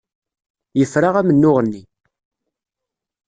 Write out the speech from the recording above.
Yefra amennuɣ-nni.